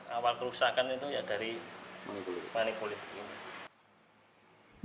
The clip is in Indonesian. awal kerusakan itu ya dari manik politik ini